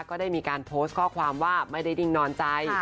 ก็ได้มีการโพสต์ข้อความว่าไม่ได้ดิ้งนอนใจ